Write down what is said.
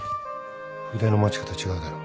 筆の持ち方違うだろ